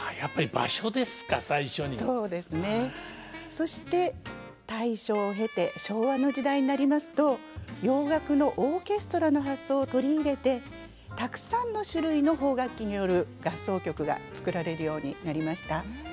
そして大正を経て昭和の時代になりますと洋楽のオーケストラの発想を取り入れてたくさんの種類の邦楽器による合奏曲が作られるようになりました。